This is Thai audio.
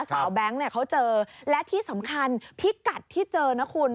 แบงค์เนี่ยเขาเจอและที่สำคัญพิกัดที่เจอนะคุณ